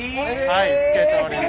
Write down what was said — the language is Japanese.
はいつけております。